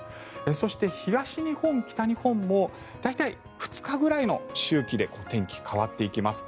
そして、東日本、北日本も大体、２日ぐらいの周期で天気が変わっていきます。